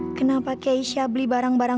itu untuk valor karya ya